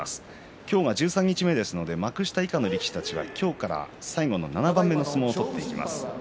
今日が十三日目ですので幕下以下の力士たちは今日から最後の７番目の相撲を取っていきます。